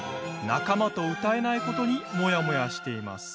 仲間と歌えないことにモヤモヤしています。